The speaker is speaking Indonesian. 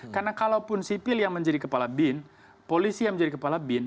karena kalaupun sipil yang menjadi kepala bin polisi yang menjadi kepala bin